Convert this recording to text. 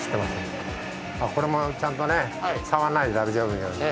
これもちゃんとね触んないで大丈夫なように。